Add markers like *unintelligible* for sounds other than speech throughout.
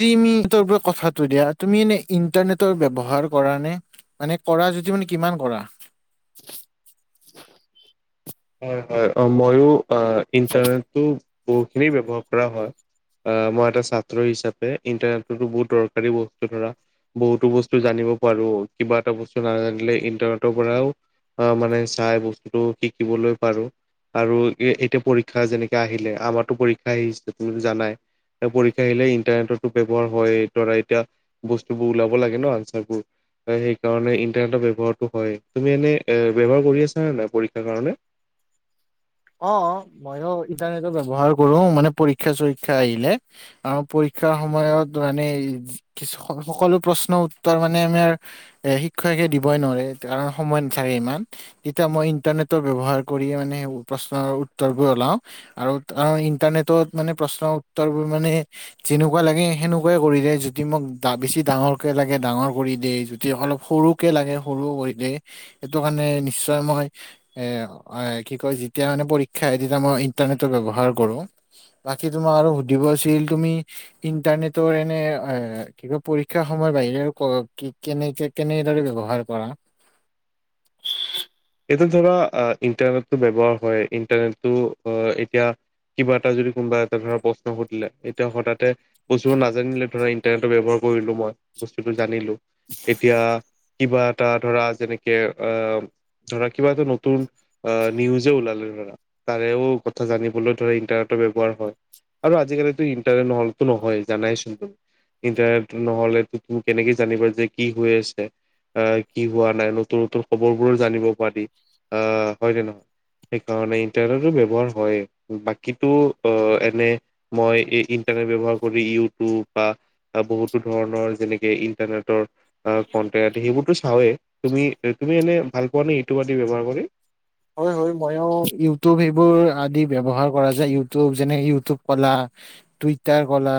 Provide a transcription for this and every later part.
*unintelligible* কথাটো দিয়া, তুমি এনে ইন্টাৰনেটৰ ব্যৱহাৰ কৰা নে, মানে কৰা যদিও মানে কিমান কৰা? হয়, হয়, অ ময়ো অ', ইণ্টাৰনেটটো বহুত খিনি ব্যৱহাৰ কৰা হয়, এ মই এটা ছাত্ৰ হিচাপে ইণ্টাৰনেটতো বহুত দৰকাৰী বস্তু ধৰা বহুতো বস্তু জানিব পাৰো, কিবা এটা বস্তু নাজানিলে ইণ্টাৰনেটৰ পৰাও অ মানে চাই বস্তুটো শি শিকিবলৈ পাৰোঁ, আৰু এ এতিয়া পৰীক্ষা যেনেকে আহিলে, আমাৰটো পৰীক্ষা আহিছে তুমিটো জানাই, পৰীক্ষা আহিলে ইণ্টাৰনেটৰটো ব্যৱহাৰ হয়ে, ধৰা এতিয়া বস্তু বোৰ ওলাব লাগে ন আনচাৰ বোৰ, সেইকাৰণে ইন্টাৰনেটৰ ব্যৱহাৰটো হয়, তুমি এনে এ ব্যৱহাৰ কৰি আছা নে নাই পৰী ক্ষাৰ কাৰণে? অ, অ, ময়ো ইণ্টাৰনেটৰ ব্যৱহাৰ কৰো, মানে পৰীক্ষা-চৰীক্ষা আহিলে আৰু পৰীক্ষাৰ সময়ত মানে কিছু, সকলো প্ৰশ্নৰ উত্তৰ মানে আমাৰ এ শিক্ষকে দিবই নোৱাৰে কাৰণ সময় নাথাকে ইমান, তেতিয়া মই ইন্টাৰনেটৰ ব্যৱহাৰ কৰিয়ে মানে প্ৰশ্নৰ উত্তৰবোৰ উলাও, আৰু আৰু ইন্টাৰনেটত মানে প্ৰশ্নৰ উত্তৰবোৰ মানে যেনেকুৱা লাগে সেনেকুৱাই কৰি দিয়ে, যদি মোক দা বেছি ডাঙৰকে লাগে ডাঙৰ কৰি দিয়ে, যদি অলপ সৰুকে লাগে সৰুও কৰি দেই সেইটো কাৰণে নিশ্চয় মই, এ কি কয় যেতিয়া মানে পৰীক্ষা আহে তেতিয়া মই ইন্টাৰনেটৰ ব্যৱহাৰ কৰোঁ, বাকী তোমাৰ আৰু সুধিব আছিল তুমি ইন্টাৰনেটৰ এনে এ কিবা পৰীক্ষা সময়ৰ বাহিৰে আৰু ক, কেনেকে কেনেদৰে ব্যৱহাৰ কৰা? এইটো ধৰা আ ইণ্টাৰনেটটো ব্যৱহাৰ হয়, ইণ্টাৰনেটটো এতিয়া কিবা এটা যদি কোনোবা এটা ধৰা প্ৰশ্ন সুধিলে, এতিয়া হঠাতে বস্তুবোৰ নাজানিলে ধৰা ইণ্টাৰনেটৰ ব্যৱহাৰ কৰিলো মই বস্তুটো জানিলো। এতিয়া কিবা এটা ধৰা যেনেকে আহ ধৰা কিবা এটা নতুন আ নিউজে ওলালে ধৰা, তাৰেও কথা জানিবলৈ ধৰা ইন্টাৰনেটৰ ব্যৱহাৰ হয়, আৰু আজিকালিটো ইন্টাৰনেট নহ'লেতো নহয়ে জানাইচোন, ইন্টাৰনেটটো নহ'লে তুমি কেনেকে জানিবা যে কি হৈ আছে, আ কি হোৱা নাই, নতুন নতুন খবৰবোৰ জানিব পাৰি, আহ হয়নে নহয়? সেইকাৰণে ইণ্টাৰনেটটো ব্যৱহাৰ হয়ে, বাকীটো অ এনে মই ইণ্টাৰনেট ব্যৱহাৰ কৰি ইউটিউব বা বহুতো ধৰণৰ যেনেকে ইন্টাৰনেটৰ আ, কণ্টেণ্ট আদি সেইবোৰতো চাওঁৱেই। তুমি, তুমি এনে ভাল পোৱা নি ইউটিউব আদি ব্যৱহাৰ কৰি? হয় হয়, ময়ো ইউটিউব এইবোৰ আদি ব্যৱহাৰ কৰা যায়, ইউটিউব, যেনে ইউটিউব ক'লা, টুইটাৰ ক'লা,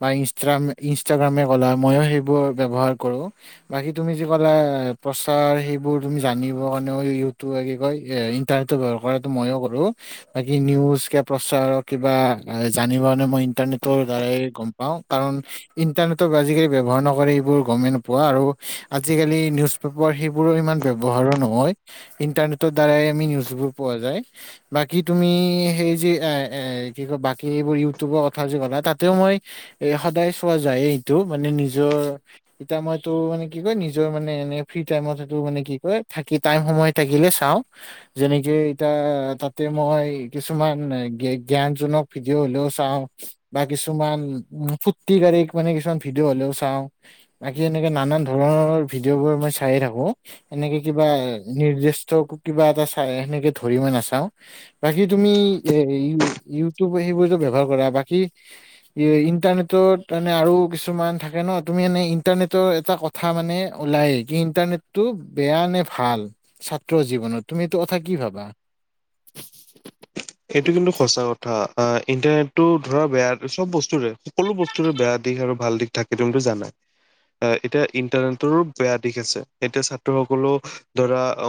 বা ইনষ্ট্ৰাম, ইনষ্টাগ্ৰামে ক'লা, মইও সেইবোৰ ব্যৱহাৰ কৰো, বাকী তুমি যি ক'লা প্ৰচাৰ সেইবোৰ তুমি জানিব কাৰণেও ইউটিউব আদি কৈ এ ইণ্টাৰনেটটো ব্যৱহাৰ কৰে, সেইটো মইয়ো কৰো, বাকী নিউজ কে প্ৰচাৰৰ কিবা আ জানিব কাৰণে মই ইণ্টাৰনেটৰ দ্বাৰাই গম পাওঁ, কাৰণ ইণ্টাৰনেটত আজিকালি ব্যৱহাৰ নকৰি এইবোৰ গমেই নোপোৱা আৰু আজিকালি নিউজ পেপাৰ সেইবোৰৰ ইমান ব্যৱহাৰো নহয়, ইণ্টাৰনেট টৰ দ্বাৰাই আমি নিউজবোৰ পোৱা যায়, বাকী তুমি সেই যি, এ এ, কি কয়, বাকী এইবোৰ ইউটিউবৰ কথা যে ক'লা, তাতেও মই সদায় চোৱা যায়েই এইটো, মানে নিজৰ এতিয়া মইটো মানে কি কয়, নিজৰ মানে এনে ফ্ৰী টাইমত এইটো মানে কি কয়, থাকি, টাইম, সময় থাকিলে চো চাওঁ, যেনেকে এতিয়া তাতে মই কিছুমান জ্ঞানজনক ভিডিঅ' হ'লেও চাওঁ বা কিছুমান ফূৰ্তিকাৰীক মানে কিছুমান ভিডিঅ' হ'লেও চাওঁ, বাকী এনেকে নানান ধৰণৰ ভিডিঅ' বোৰ মই চায়েই থাকো, এনেকে কিবা নিৰ্দিষ্ট *unintelligible* কিবা এটা চাই সেনেকে ধৰি মই নাচাও বাকী তুমি এ ইউটিউব সেইবোৰটো ব্যৱহাৰ কৰা, বাকী ইণ্টাৰনেটত মানে আৰু কিছুমান থাকে ন, তুমি এনে ইণ্টাৰনেটৰ এটা কথা মানে ওলায়ে, কি ইণ্টাৰনেটটো বেয়া নে ভাল, চাত *unintelligible* জীৱনত, তুমি এইটো কথা কি ভাবা? এইটো কিন্তু সঁচা কথা আ ইণ্টাৰনেটটো ধৰা বেয়া চব বস্তুৰে সকলো বস্তুৰে বেয়া দিশ আৰু ভাল দিশ থাকে কিন্তু জানাই আ এতিয়া ইণ্টাৰনেটৰো বেয়া দিশ আছে এতিয়া ছাত্ৰ সকলে ধৰা অ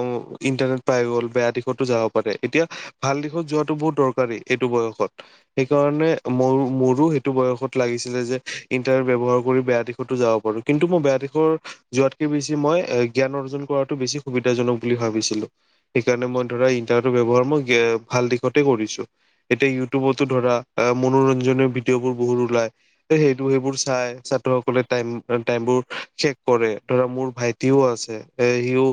ইণ্টাৰনেট পাই গ'ল বেয়া দিশতো যাব পাৰে এতিয়া ভাল দিশত যোৱা টো বহু দৰকাৰী এইটো বয়সত সেইকাৰণে মোৰো এইটো বয়সত লাগিছিলে যে ইন্টাৰনেট ব্যৱহাৰ কৰি বেয়া দিশটো যাব পাৰোঁ কিন্তু মোৰ বেয়া দিশৰ যোৱাতকে বেছি মই এ জ্ঞান অৰ্জন কৰাটো বেছি সুবিধাজনক বুলি ভাবিছিলো সেইকাৰণে মই ধৰা ইন্টাৰনেটৰ ব্যবহাৰ মই গে ভাল দিশ গতে কৰিছো। এতিয়া ইউটিউবটো ধৰা মনোৰঞ্জনৰ ভিডিঅ বোৰ বহুত ওলাই সেই সেইবোৰ চাই ছাত্ৰ সকলে তায়েম বোৰ শেষ কৰে মোৰ ভাইটও আছে এ সিও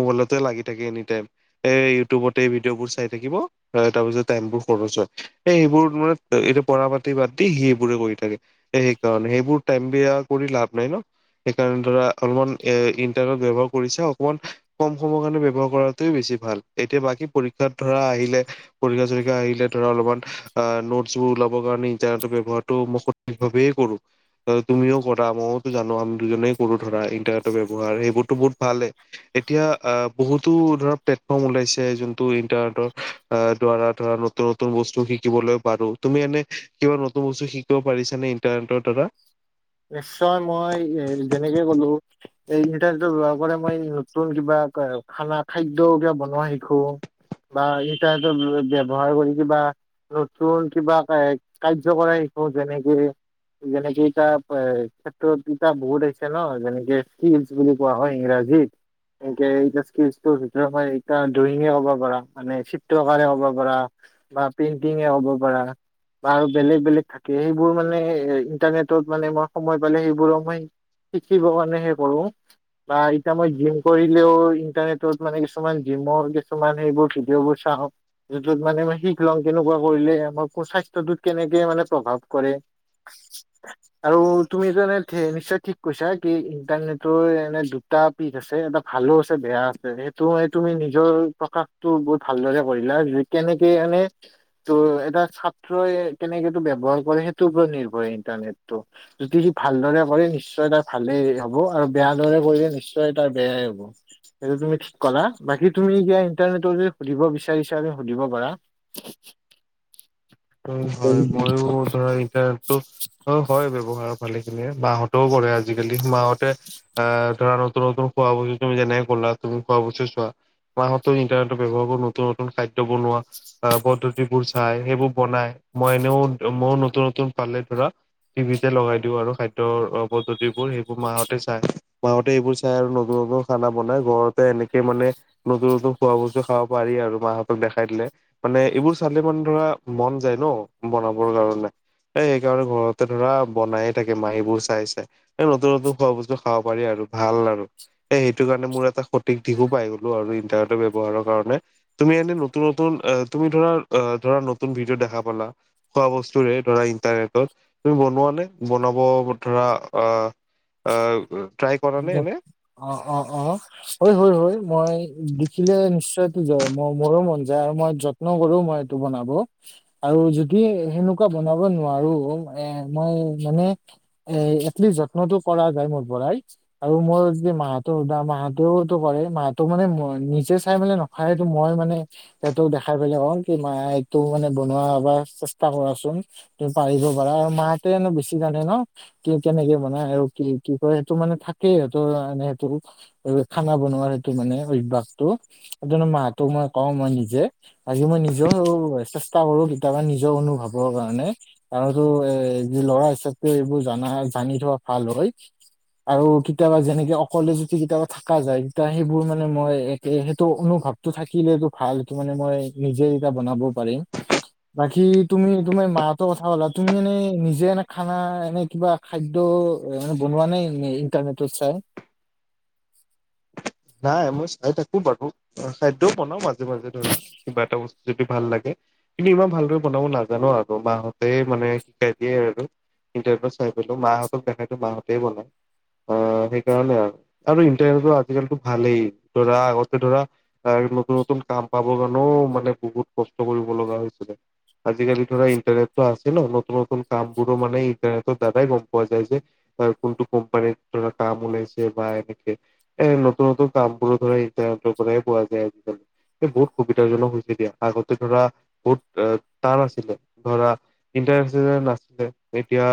মবাইলতে লাগি থাকে এনিতায়েম। এ ইউটিউবত ভিদিঅ বোৰ চাই থাকিব। হয় তাৰ পিছত টাইম বোৰ খৰচ হয় এ সেইবোৰ মই এতিয়া পঢ়া পাতি বাদ দি সি ইবোৰে কৰি থাকে সেইকাৰণে সেইবোৰ টাইম বেয়া কৰি লাভ নাই ন সেইকাৰণে ধৰা অলপমান এ ইণ্টাৰনেট ব্যৱহাৰ কৰিছে অকণমান কম সময়ৰ কাৰণে ব্যৱহাৰ কৰাটোয়ে বেছি ভাল। এতিয়া বাকী পৰীক্ষাত ধৰা আহিলে পৰিখা চৰিখা আহিলে ধৰা অলপমান আ নোটছ বোৰ ওলাবৰ কাৰণে ইন্টাৰনেটৰ ব্যবহাৰটো মই সঠিক ভাবেই কৰো তুমিও কৰা ময়ওতো জানো আমি দুজনে কৰো ধৰা ইণ্টাৰনেটৰ ব্যৱহাৰ সেইবোৰতো বহুত ভালে এতিয়া আ বহুতো ধৰা প্লেটফৰ্ম ওলাইছে যোনটো ইন্টাৰনেটৰ আ দ্বাৰা ধ নতুন নতুন বস্তু শিকিবলৈ পাৰো তুমি এনে কিবা নতুন বস্তু শিকিব পাৰিছ নে ইণ্টাৰনেটৰ দ্বাৰা নিশ্চয় মই এ যেনেকে কলো এ ইণ্টাৰনেটৰ ব্যৱহাৰ কৰি মই নতুন কিবা খানা, খাদ্যও কিবা বনোৱা শিকো বা ইণ্টাৰনেটৰ ব্যৱহাৰ কৰি কিবা নতুন কিবা কাৰ্য কৰাই শিকো যেনেকৰি যেনেকে এটা হয়, ক্ষেত্ৰত দুটা বহুত আহিছে ন? যেনেকে স্কিলচ বুলি কোৱা হয় ইংৰাজীত। এনেকে এই স্কিলচটোৰ ভিতৰত মই এ ড্ৰয়িঙে ক'ব পাৰা, মানে চিত্ৰকাৰে ক'ব পাৰা বা পেইণ্টিঙে ক'ব পাৰা বা আৰু বেলেগ বেলেগ থাকে সেইবোৰ মানে ইন্টাৰনেটত মানে মই সময় পালে সেইবোৰ মই শিকিবৰ কাৰণে হে কৰো বা এতিয়া মই জিম কৰিলেও ইণ্টাৰনেটত মানে কিছুমান জিমৰ কিছুমান সেইবোৰ ভিডিঅ'বোৰ চাওঁ যোনটোত মানে মই শিকি লওঁ কেনেকুৱা কৰিলে মই স্বাস্থ্যটোত কেনেকে মানে প্ৰভাৱ কৰে। আৰু তুমি জান নিশ্চয় ঠিক কৈছা কি, ইণ্টাৰনেটৰ এনে দুটা পীঠ আছে। এটা ভালো আছে, বেয়া আছে সেইটো তুমি নিজৰ প্ৰকাশটো বহুত ভালদৰে কৰিলা, যে কেনেকে এনে টো এটা ছাত্ৰই কেনেকো নু ব্যবহাৰ কৰে সেইটোৰ ওপৰত নিৰ্ভৰ ইণ্টাৰনেট। যদি সি ভালদৰে কৰে নিশ্চয় তাৰ ভালেই হব আৰু বেয়া দৰে কৰিলে নিশ্চয় তাৰ বেয়াই হব সেইটো তুমি ঠিক কৰা বাকী তুমি এতিয়া ইন্টাৰনেট যদি সুধিব বিচাৰিছা তুমি সুধিব পাৰা উ হয় মইও ধৰা ইন্টাৰনেট অ হয় ব্যৱহাৰ ভালে খিনিয়ে বাহতেও কৰে আজিকালি মাহত আহ ধৰ নতুন নতুন খোৱা বুলি তুমি যেনে কলা তুমি খোৱা বস্তু চোৱা। মাহঁতেও ইন্টাৰনেটত ব্যৱহাৰবোৰ নতুন নতুন খাদ্য বনোৱা আহ পদ্ধতি বোৰ যে খাই সেইবোৰ বনাই মই এনেও মও নতুন নতুন পালে ধৰা টিভিতে লগাই দিও আৰু খাদ্যৰ পদ্ধতিবোৰ সেইবোৰ মাহতে চাই মাহঁতে এইবোৰ চাই আৰু নতুন নতুন খানা বনাই ঘৰতে এনেকে মানে নতুন নতুন খোৱা বস্তু খাব পাৰি আৰু মাহঁতক দেখাই দিলে মানে এইবোৰ চালে মানে ধৰা মন যায় ন বনাবৰ কাৰণে এ সেই কাৰণে ঘৰতে ধৰা বনায়ে থাকে মাহী বোৰ চাই চাই এ নতুন নতুন খোৱা বস্তু খাব পাৰি আৰু ভাল আৰু এ সেইটো কাৰণে মোৰ এটা সঠিক দিশো পাই গলো আৰু ইণ্টাৰনেটৰ ব্যৱহাৰৰ কাৰণে তুমি এনে নতুন নতুন এ তুমি ধৰা এ ধৰা নতুন ভিডিঅ' দেখা পালা খোৱা বস্তুৰে ধৰা ইণ্টাৰনেটত। তুমি বনোৱা নে, বনাব ধৰা অ' অ', অ', অ', হয়, হয়, হয়। মই দেখিলে নিশ্চয়টো মোৰো মন যায় আৰু মই যত্ন কৰোও মই এইটো বনাব আৰু যদি সেনেকুৱা বনাব নোৱাৰো এ মই মানে এ এটলিষ্ট যত্নটো কৰা যায় মোৰ পৰাই আৰু মই যদি মাহতক সুধা মাহতেওঁটো কৰে, মাহটো মানে ম নিজে চাই মানে নখায় টো মই মানে সিহঁতক দেখাই পেলাই কও, কি মাই এইটো মানে বনোৱা এবাৰ চেষ্টা কৰাচোন। তুমি পাৰিব পাৰা আৰু মাহতেনো বেছি জানে ন? কি কেনেকে বনাই আৰু কি কি কৰে মানে থাকেই। সিহতৰ মানে সেইটো খানা বনোৱাৰ সেইটো মানে অভ্যাসটো সেইটো মাহঁটো মই কওঁ মই নিজে বাকী মই নিজেও চেষ্টা কৰো কেতিয়াবা নিজৰ অনুভৱৰ কাৰণে আৰু এ ল'ৰা হিচাপে এইবোৰ জানা-জানি থোৱা ভাল হয়। আৰু কেতিয়াবা যেনেকে অকলে যদি কেতিয়াবা থাকা যায় তেতয়া সেইবোৰ মানে মই একে সেইটো অনুভৱটো থাকিলটো ভাল সেটো মানে মই নিজে এতিয়া বনাব পাৰিম। বাকী তুমি তোমাৰ মাঁহতৰ কথা ক'লা। তুমি এনে নিজে এ খানা এনে কিবা খাদ্য এনে বনোৱা নেই? উ ইণ্টাৰনেটত চাই নাই মই চাই থাকো বাৰু খাদ্যয়ও বনাওঁ মাজে মাজে ধৰা। কিবা এটা বস্তু যদি ভাল লাগে, কিন্তু ইমান ভালদৰে বনাব নাজানো আৰু মাহঁতে মানে শিকাই দিয়ে আৰু ইন্টাৰনেটত চাই পেলাইও মাহঁতক দেখাইো মাহঁতে বনাই আহ্ সেইকাৰণে আৰু আৰু ইন্টাৰনেটত আজিকালিতো ভালেই। ধৰা আগতে ধৰা আ নতুন নতুন কাম পাবৰ কাৰণেও মানে বহুত কষ্ট কৰিব লগা হৈছিলে। আজিকালি ধৰা ইণ্টাৰনেটটো আছে ন নতুন নতুন কাম বোৰো মানে ইণ্টাৰনেটৰ দ্বাৰাই গম পোৱা যায় যে কোনটো কোম্পানীত ধৰা কাম ওলাইছে বা এনেকে এ নত নতু নতুন কামবোৰ ধ ইটাৰনেটৰ পৰা পোৱা যায় আজিকালি বহুত সুবিধাজনক হৈছে দিয়া আগতে ধৰা বহুত টান আছিলে ধৰা ইণ্টাৰনে চিন্তনে নাছিলে এতিয়া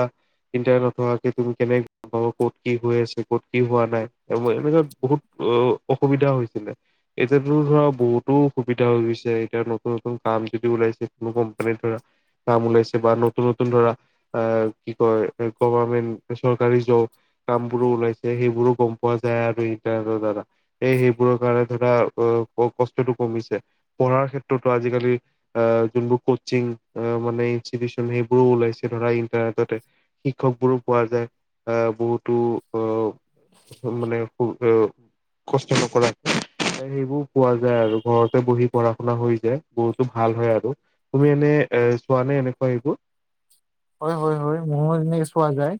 ইণ্টাৰনেট নথকাকে তুমি কেনেক গ পাব ক'ত কি হৈ আছে কত কি হোৱা নাই এনেুৱ বহুত অ অসুবিধা হৈছিলে এতিায়াতো ধৰা বহুতো অসুবিধা হৈ গৈছে এতিয়া নতুন নতুন কাম যদি ওলাইছে কোনো কোম্পানীৰ ধৰা কাম ওলাইছে বা নতুন নতুন ধৰা আহ কি কয় গভাৰমেন্ট চৰকাৰী জব কাম বোৰো ওলাইছে সেইবোৰো গম পোৱা যায় আৰু ইট *unintelligible* দাদা এই সেইবোৰৰ কাৰণে ধৰা অ কষ্টতটো কমিছে পঢ়াৰ ক্ষেত্ৰতো আজিকালি আ যোনবোৰ কচিং আ মানে ইনষ্টিটিউচন সেইবোৰো ওলাইছে ধৰা ইন্টাৰনেটতে শিক্ষক বোৰো পোৱা যায় আহ বহুত। টো অ মানে ক'ত? এ কষ্ট নকৰাক সেইবোৰ পোৱা যায় আৰু ঘৰতে বহি পঢ়া শুনা হৈ যায় বহুতো ভাল হয় আৰু তুমি এনে এ চোৱা নে এনেকুৱা এইবোৰ। হয়, হয়, হয় মোৰো এনেকে চোৱা যায়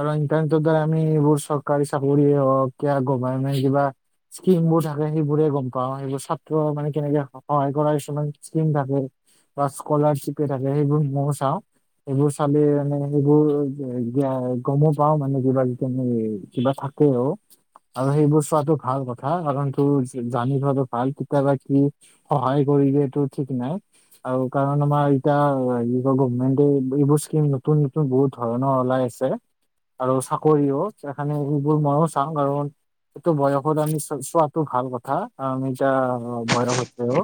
আৰু ইন্টাৰনেটৰ দ্বাৰা আমি এইবোৰ চৰকাৰী চাকৰিয়ে হওক গভাৰমেন্ট কিবা স্কিমও থাকে সেইবোৰে গম পাও সেইবোৰ ছাত্ৰ মানে কেনেকে সহায় কৰা কিছুমান স্কীম থাকে বা স্কলাৰিপ থাকে সেইবোৰ মইও চাওঁ। এইবোৰ চালে মানে এইবোৰ গমেই পাঁও। মানে কিবা কিনি কিবা থাকেও আৰু সেইবোৰ চোৱাতটো ভাল কথা কাৰণ তোৰ জানি থোৱাটো ভাল। কেতিয়াবা কি সহায় কৰি দিয়টো ঠিক নাই আৰু কাৰণ আমাৰ এতিয়া হেৰি গভমেন্ট এইবোৰ স্কিম নতুন নতুন বহুত ধৰণৰ ওলাই আছে আৰু চাকৰিও সেইকাৰণে এইবোৰ মইও চাওঁ কাৰণ সেইটো বয়সত আমি চো চোৱাতটো ভাল কথা আমি এতিয়া আৰ বয়স হৈছেও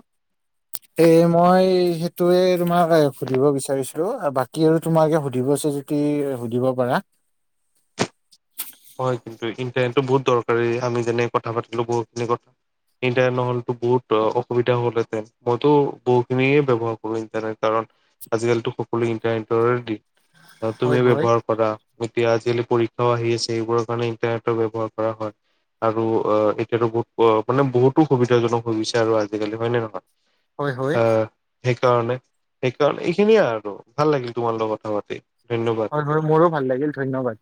সেয়ে মই সেইটোৱে তোমাক সুধিব বিচাৰিছো। আৰু বাকী আৰু তোমালোকে সুধিবা চোন যদি সুধিব পাৰা। হয় কিন্তু ইন্টাৰনেট টো বহুত দৰকাৰী। আমি যেনে কথা পাতিলো বহুখিনি। ইণ্টাৰনেট নহলেতো বহুত অসুবিধা হল হেতেন। মইতো বহু খিনিয়ে ব্যৱহাৰ কৰো ইণ্টাৰনেট কাৰণ আজিকালি সকলোৱে ইন্টাৰনেটৰে দিন। তুমি হয় হয় ব্যৱহাৰ কৰা এতিয়া আজি পৰীক্ষাও আহি আছে। সেইবোৰৰ কাৰণে ইন্টাৰনেটৰ ব্যৱহাৰ কৰা হয় আৰু অ', এতিয়াতো বহুত মানে বহুতো সুবিধাজনক হৈ গৈছে আৰু আজিকালি হয় নে নহয়। হয় হয়। সেইকাৰণে-সেইকাৰণে এইখিনিয়ে আৰু ভাল লাগিল তোমাৰ লগত কথা পাতি। ধন্যবাদ। হয় হয় মোৰো ভাল লাগিল, ধন্যবাদ।